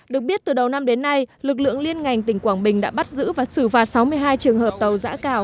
được biết từ đầu năm đến nay lực lượng liên ngành tỉnh quảng bình đã bắt giữ và xử phạt sáu mươi hai trường hợp tàu giã cào